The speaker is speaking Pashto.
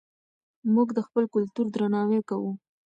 موږ د خپل کلتور درناوی کوو.